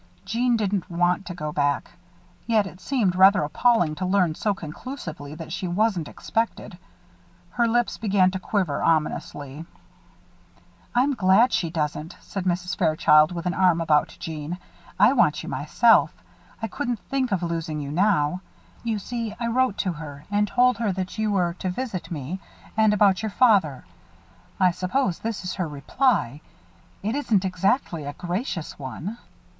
Jeanne didn't want to go back; yet it seemed rather appalling to learn so conclusively that she wasn't expected. Her lips began to quiver, ominously. "I'm glad she doesn't," said Mrs. Fairchild, with an arm about Jeanne. "I want you myself. I couldn't think of losing you now. You see, I wrote to her and told her that you were to visit me; and about your father. I suppose this is her reply it isn't exactly a gracious one."